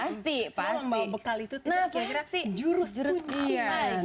semua membawa bekal itu tidak kira kira jurus punya